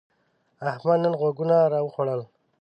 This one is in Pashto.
احمد نن غوږونه راوخوړل.